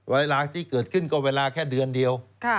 เวลาที่เกิดขึ้นก็เวลาแค่เดือนเดียว